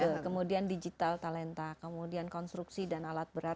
betul kemudian digital talenta kemudian konstruksi dan alat berat